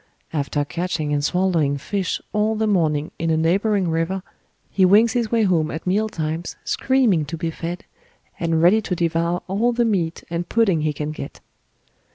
After catching and swallowing fish all the morning in a neighbouring river, he wings his way home at meal times, screaming to be fed, and ready to devour all the meat and pudding he can get.